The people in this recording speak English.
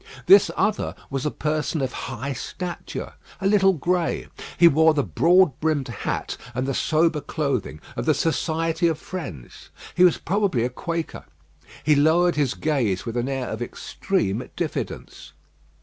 This other was a person of high stature, a little grey. He wore the broad brimmed hat and the sober clothing of the Society of Friends. He was probably a Quaker. He lowered his gaze with an air of extreme diffidence.